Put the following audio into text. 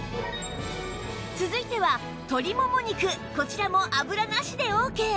続いては鶏もも肉こちらも油なしでオーケー